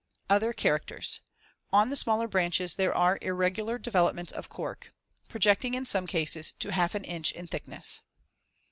Other characters: On the smaller branches there are irregular developments of cork as shown in Fig. 76, projecting in some cases to half an inch in thickness.